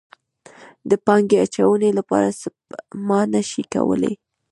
د پانګې اچونې لپاره سپما نه شي کولی.